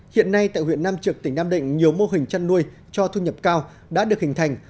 hiện nay tại huyện nam trực tỉnh nam định nhiều mô hình chăn nuôi cho thu nhập cao đã được hình thành